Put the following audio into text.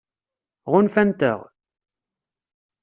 Ɣunfant-aɣ?